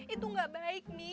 itu gak baik mi